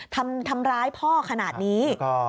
ทำร้ายพ่อขนาดนี้